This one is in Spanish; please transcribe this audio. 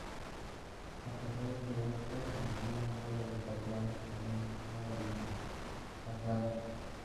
A pesar de esto, volvieron luego de cuatro años con un nuevo disco, "Atlantis".